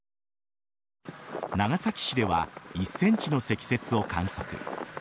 長崎市では１ｃｍの積雪を観測。